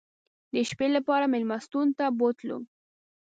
د شپې لپاره مېلمستون ته بوتلو.